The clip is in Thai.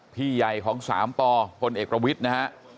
พี่ใหญ่ของ๓ปพลเอกประวิทย์นะฮะ